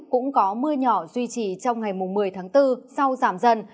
cũng có mưa nhỏ duy trì trong ngày một mươi tháng bốn sau giảm dần